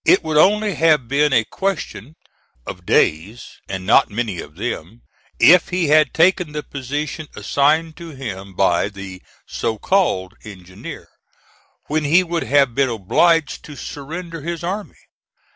It would only have been a question of days, and not many of them, if he had taken the position assigned to him by the so called engineer, when he would have been obliged to surrender his army.